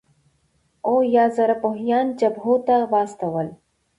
اویا زره پوځیان جبهو ته واستول.